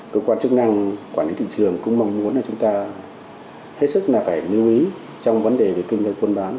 cơ quan chức năng quản lý thị trường cũng mong muốn là chúng ta hết sức là phải lưu ý trong vấn đề về kinh doanh buôn bán